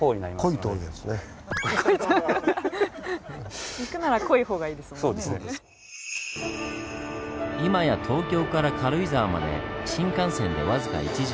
今や東京から軽井沢まで新幹線で僅か１時間。